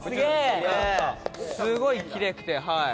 すごいきれいくてはい。